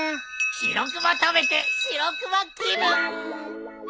しろくま食べてシロクマ気分。